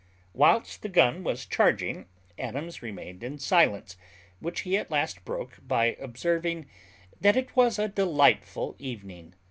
Whilst the gun was charging, Adams remained in silence, which he at last broke by observing that it was a delightful evening.